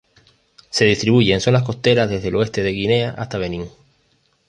Se distribuye en zonas costeras desde el oeste de Guinea hasta Benín.